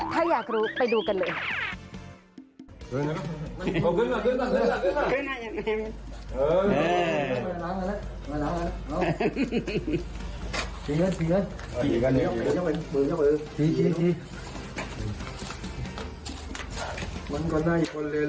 ถ้าอยากรู้ไปดูกันเลย